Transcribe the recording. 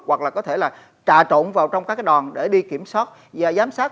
hoặc là có thể là trà trộn vào trong các đòn để đi kiểm soát và giám sát